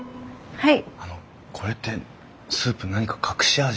はい。